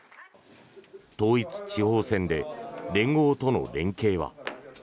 統一地方選で連合との連携は？